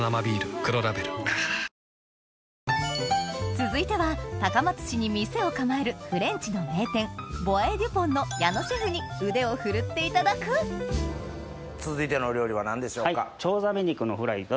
続いては高松市に店を構える名店の矢野シェフに腕を振るっていただく続いてのお料理は何でしょうか？